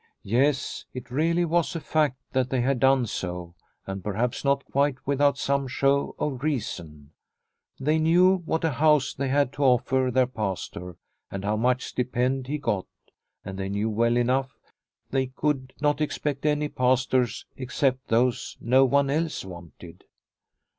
Yes, it really was a fact that they had done so, and perhaps not quite without some show of reason. They knew what a house they had to offer their Pastor and how much stipend he got, and they knew well enough they could not expect any Pastors except those no one else wanted.